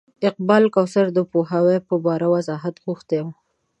اقبال کوثر د پوهاوي په پار وضاحت غوښتی و.